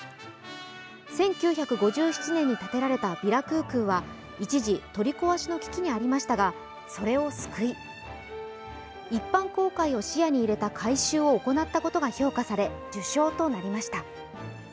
１９５７年に建てられたヴィラ・クゥクゥは一時、取り壊しの危機にありましたが、それを救い、一般公開を視野に入れた改修を行ったことが評価され受賞となりました。